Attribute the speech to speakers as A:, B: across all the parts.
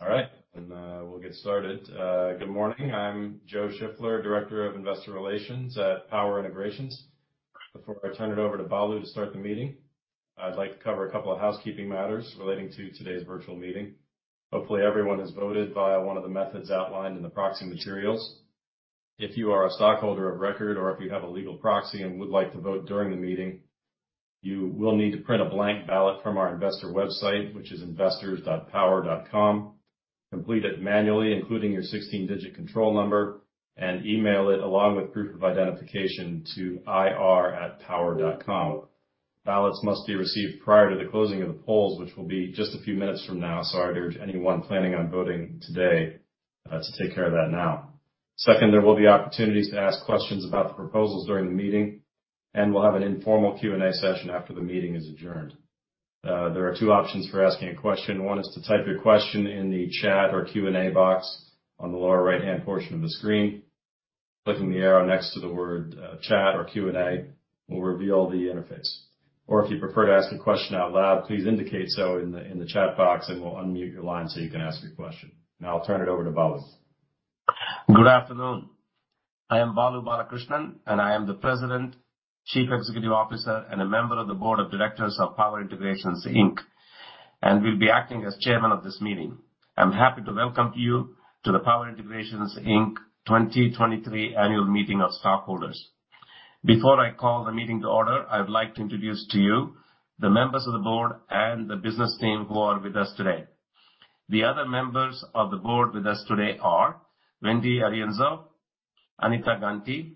A: All right. We'll get started. Good morning. I'm Joe Shiffler, Director of Investor Relations at Power Integrations. Before I turn it over to Balu to start the meeting, I'd like to cover a couple of housekeeping matters relating to today's virtual meeting. Hopefully, everyone has voted via one of the methods outlined in the proxy materials. If you are a stockholder of record or if you have a legal proxy and would like to vote during the meeting, you will need to print a blank ballot from our investor website, which is investors.power.com. Complete it manually, including your 16-digit control number, and email it along with proof of identification to ir@power.com. Ballots must be received prior to the closing of the polls, which will be just a few minutes from now. Sorry to anyone planning on voting today, to take care of that now. Second, there will be opportunities to ask questions about the proposals during the meeting, and we'll have an informal Q&A session after the meeting is adjourned. There are two options for asking a question. One is to type your question in the chat or Q&A box on the lower right-hand portion of the screen. Clicking the arrow next to the word, Chat or Q&A will reveal the interface. If you prefer to ask a question out loud, please indicate so in the chat box and we'll unmute your line so you can ask your question. Now I'll turn it over to Balu.
B: Good afternoon. I am Balu Balakrishnan, and I am the President, Chief Executive Officer, and a member of the Board of Directors of Power Integrations, Inc. Will be acting as chairman of this meeting. I'm happy to welcome you to the Power Integrations, Inc 2023 Annual Meeting of Stockholders. Before I call the meeting to order, I would like to introduce to you the members of the Board and the business team who are with us today. The other members of the Board with us today are Wendy Arienzo, Anita Ganti,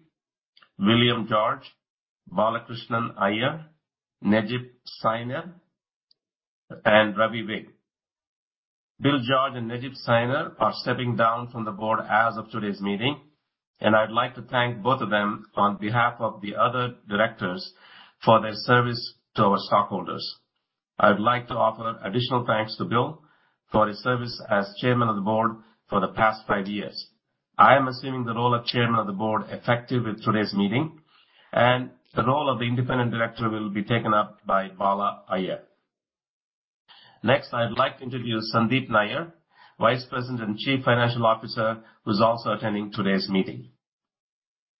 B: William George, Balakrishnan Iyer, Necip Sayiner, and Ravi Vig. Bill George and Necip Sayiner are stepping down from the Board as of today's meeting. I'd like to thank both of them on behalf of the other Directors for their service to our stockholders. I would like to offer additional thanks to Bill for his service as chairman of the Board for the past five years. I am assuming the role of chairman of the Board effective with today's meeting, and the role of the independent Director will be taken up by Bala Iyer. Next, I'd like to introduce Sandeep Nayyar, Vice President and Chief Financial Officer, who's also attending today's meeting.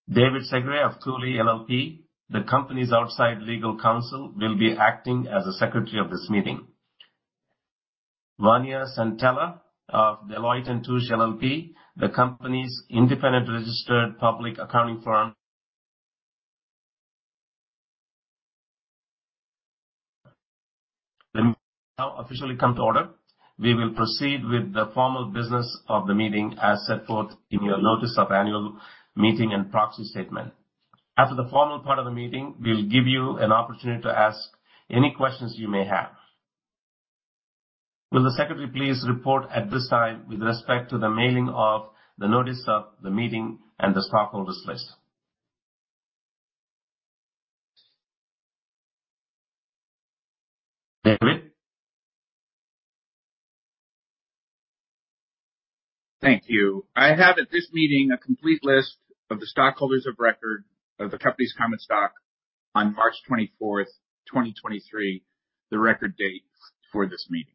B: David Segre of Cooley LLP, the company's outside legal counsel, will be acting as the secretary of this meeting. Vania Santella of Deloitte & Touche LLP, the company's independent registered public accounting firm. The now officially come to order. We will proceed with the formal business of the meeting as set forth in your notice of annual meeting and proxy statement. After the formal part of the meeting, we'll give you an opportunity to ask any questions you may have. Will the secretary please report at this time with respect to the mailing of the notice of the meeting and the stockholders list? David?
C: Thank you. I have at this meeting a complete list of the stockholders of record of the company's common stock on March 24th, 2023, the record date for this meeting.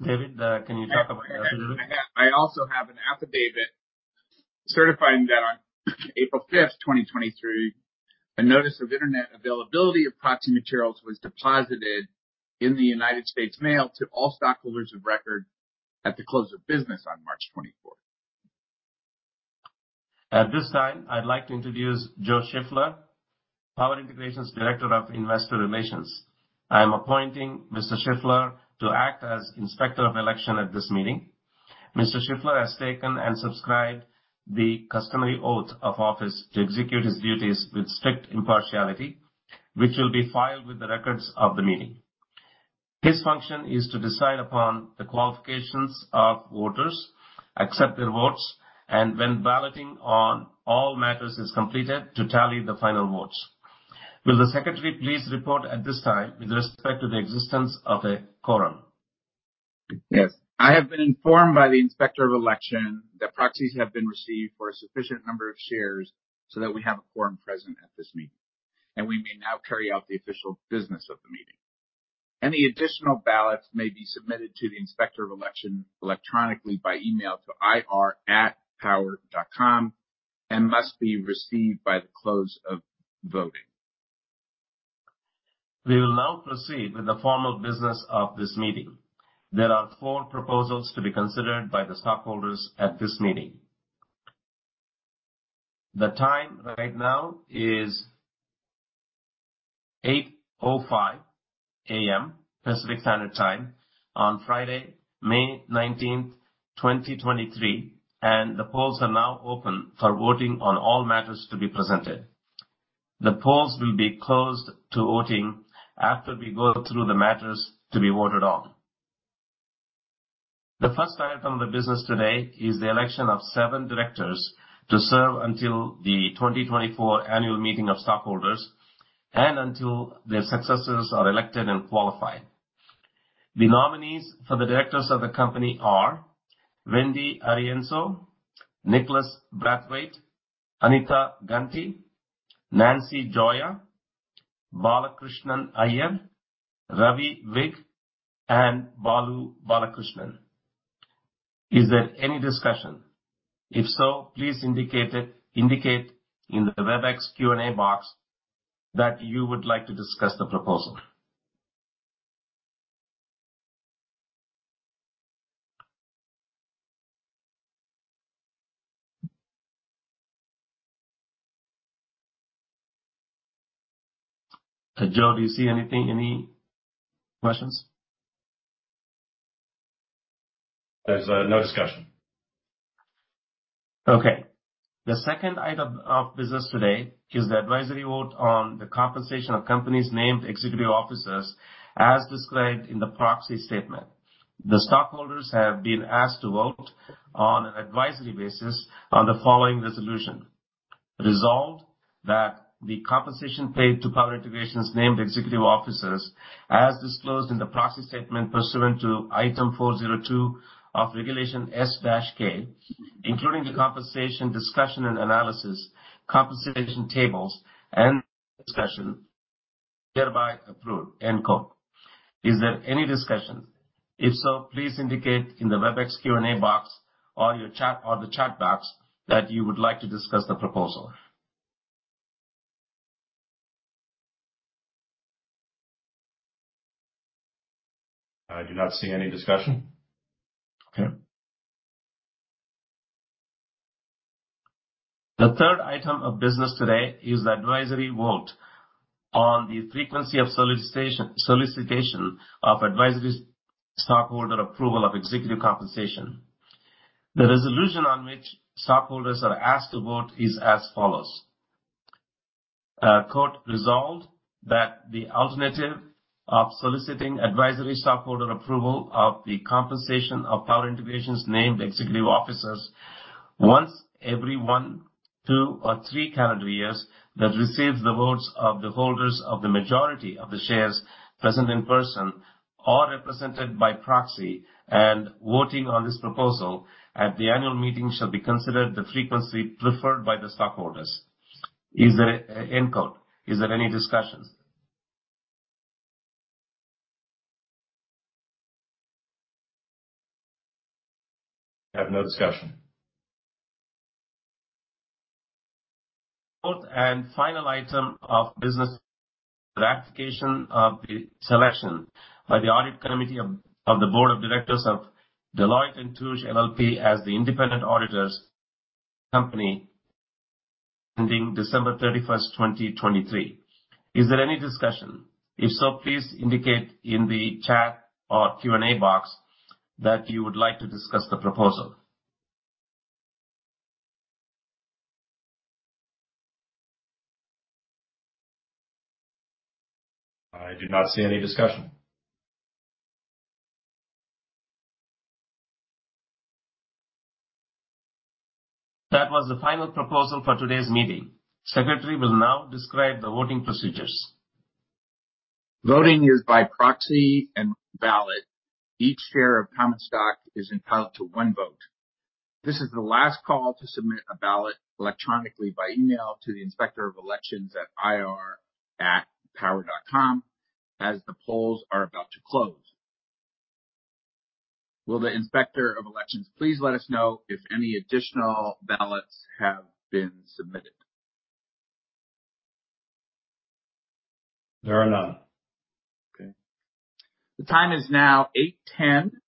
B: David, can you talk about the affidavit?
C: I also have an affidavit certifying that on April 5th, 2023, a notice of Internet availability of proxy materials was deposited in the United States Mail to all stockholders of record at the close of business on March 24th.
B: At this time, I'd like to introduce Joe Shiffler, Power Integrations Director of Investor Relations. I am appointing Mr. Shiffler to act as Inspector of Election at this meeting. Mr. Shiffler has taken and subscribed the customary oath of office to execute his duties with strict impartiality, which will be filed with the records of the meeting. His function is to decide upon the qualifications of voters, accept their votes, and when balloting on all matters is completed, to tally the final votes. Will the secretary please report at this time with respect to the existence of a quorum?
C: Yes. I have been informed by the Inspector of Election that proxies have been received for a sufficient number of shares so that we have a quorum present at this meeting. We may now carry out the official business of the meeting. Any additional ballots may be submitted to the Inspector of Election electronically by email to ir@power.com. Must be received by the close of voting.
B: We will now proceed with the formal business of this meeting. There are four proposals to be considered by the stockholders at this meeting. The time right now is 8:05 A.M. Pacific Standard Time on Friday, May 19th, 2023, and the polls are now open for voting on all matters to be presented. The polls will be closed to voting after we go through the matters to be voted on. The first item of business today is the election of seven Directors to serve until the 2024 annual meeting of stockholders and until their successors are elected and qualified. The nominees for the Directors of the company are Wendy Arienzo, Nicholas Brathwaite, Anita Ganti, Nancy Gioia, Balakrishnan Iyer, Ravi Vig, and Balu Balakrishnan. Is there any discussion? If so, please indicate in the Webex Q&A box that you would like to discuss the proposal. Joe, do you see anything, any questions?
A: There's no discussion.
B: Okay. The second item of business today is the advisory vote on the compensation of company's named executive officers as described in the proxy statement. The stockholders have been asked to vote on an advisory basis on the following resolution. Resolved that the compensation paid to Power Integrations' named executive officers as disclosed in the proxy statement pursuant to Item 402 of Regulation S-K, including the compensation discussion and analysis, compensation tables and discussion hereby approved, end quote. Is there any discussion? If so, please indicate in the Webex Q&A box or your chat or the chat box that you would like to discuss the proposal.
A: I do not see any discussion.
B: Okay. The third item of business today is the advisory vote on the frequency of solicitation of advisory stockholder approval of executive compensation. The resolution on which stockholders are asked to vote is as follows. Quote resolved that the alternative of soliciting advisory stockholder approval of the compensation of Power Integrations' named executive officers once every one, two, or three calendar years that receives the votes of the holders of the majority of the shares present in person or represented by proxy and voting on this proposal at the annual meeting shall be considered the frequency preferred by the stockholders. End quote. Is there any discussions?
A: I have no discussion.
B: Fourth and final item of business, ratification of the selection by the Audit Committee of the Board of Directors of Deloitte & Touche LLP as the independent auditors company ending December 31st, 2023. Is there any discussion? If so, please indicate in the chat or Q&A box that you would like to discuss the proposal.
A: I do not see any discussion.
B: That was the final proposal for today's meeting. Secretary will now describe the voting procedures.
C: Voting is by proxy and ballot. Each share of common stock is entitled to one vote. This is the last call to submit a ballot electronically by email to the Inspector of Elections at ir@power.com as the polls are about to close. Will the Inspector of Elections please let us know if any additional ballots have been submitted.
A: There are none.
C: Okay. The time is now 8:10 A.M.,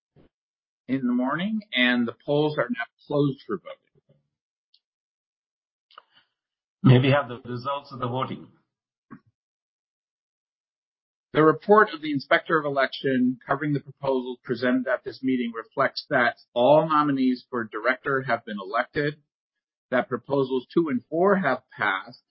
C: and the polls are now closed for voting.
B: May we have the results of the voting?
C: The report of the Inspector of Election covering the proposal presented at this meeting reflects that all nominees for Director have been elected, that proposals two and four have passed,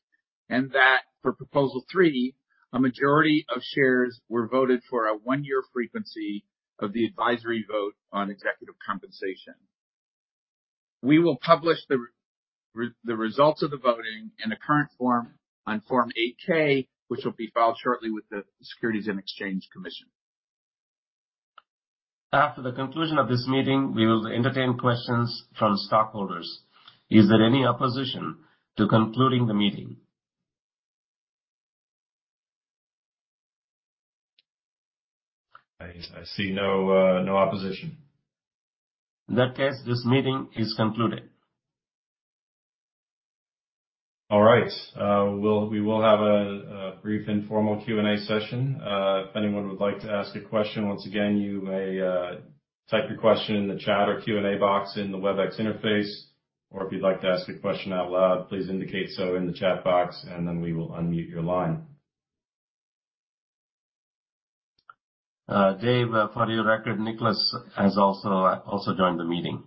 C: and that for proposal three, a majority of shares were voted for a one-year frequency of the advisory vote on executive compensation. We will publish the results of the voting in the current form on Form 8-K, which will be filed shortly with the Securities and Exchange Commission.
B: After the conclusion of this meeting, we will entertain questions from stockholders. Is there any opposition to concluding the meeting?
A: I see no opposition.
B: In that case, this meeting is concluded.
A: All right. We will have a brief informal Q&A session. If anyone would like to ask a question, once again, you may type your question in the chat or Q&A box in the Webex interface. If you'd like to ask a question out loud, please indicate so in the chat box. We will unmute your line.
B: Dave, for your record, Nicholas has also joined the meeting.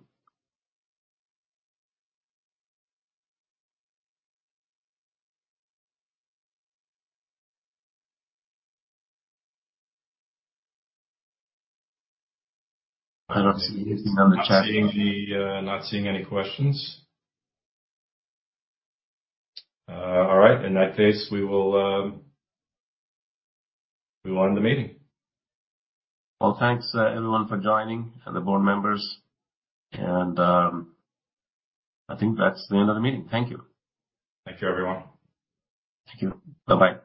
B: I don't see anything on the chat.
A: Not seeing any questions. All right. In that case, we will end the meeting.
B: Well, thanks, everyone for joining, and the Board members. I think that's the end of the meeting. Thank you.
A: Thank you, everyone.
B: Thank you. Bye-bye.